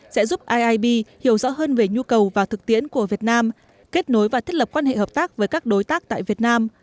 sẽ giúp iib hiểu rõ hơn về nhu cầu và thực tiễn của việt nam kết nối và thiết lập quan hệ hợp tác với các đối tác tại việt nam